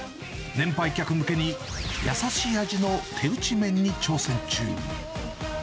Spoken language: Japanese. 年配客向けに、優しい味の手打ち麺に挑戦中。